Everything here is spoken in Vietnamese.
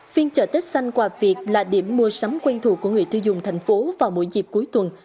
phiên chợ tết xanh quà việt là điểm mua sắm quen thuộc của người tiêu dùng thành phố vào mỗi dịp cuối tuần